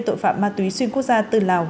tội phạm ma túy xuyên quốc gia từ lào